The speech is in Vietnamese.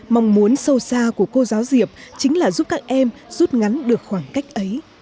mong muốn sâu xa của cô giáo diệp chính là giúp các em rút ngắn được khoảng cách ấy